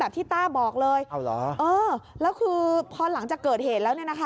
แบบที่ต้าบอกเลยเออแล้วคือพอหลังจากเกิดเหตุแล้ว